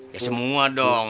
ya semua dong